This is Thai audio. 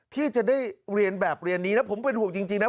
ที่จะได้เรียนแบบเรียนนี้นะผมเป็นห่วงจริงนะ